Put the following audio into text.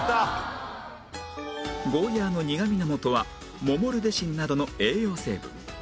ゴーヤーの苦みのもとはモモルデシンなどの栄養成分